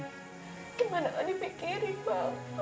gimana akan dipikirin bang